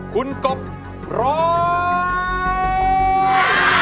คุณกบร้อง